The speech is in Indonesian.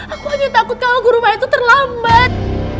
aku hanya takut kalau guru ma itu terlambat